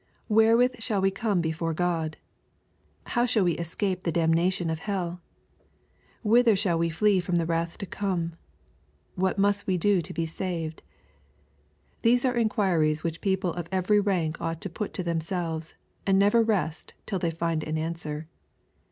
Where ^ with shall we come before GFod ? How shall we escape the damnation of hell ? Whither shall we flee from the wrath to come ? What must we do to be saved ?*'— These are inquiries which people of every rank ought to put to themselves, and never rest tiU they find an answer.